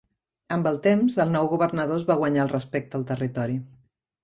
Amb el temps, el nou governador es va guanyar el respecte al territori.